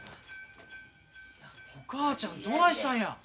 お母ちゃんどないしたんや？